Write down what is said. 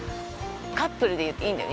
カップルでいいんだよね。